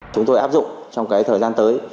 chúng tôi áp dụng trong thời gian tới